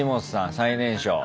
最年少。